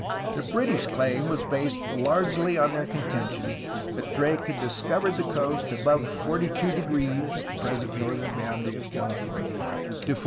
The British claim was based largely on their contention that Drake had discovered the coast above 42° (the present northern boundary of California) to 48°.